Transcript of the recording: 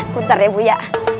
bentar ya bu ya